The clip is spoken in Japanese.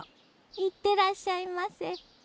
行ってらっしゃいませ。